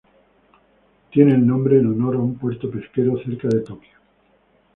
Está nombrado en honor a un puerto pesquero cerca de Tokio.